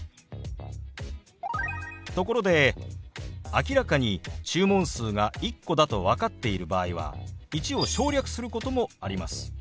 ところで明らかに注文数が１個だと分かっている場合は「１」を省略することもあります。